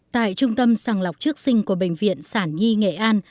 tại trung tâm sàng lọc trước sinh của bệnh viện sản nhi nghệ an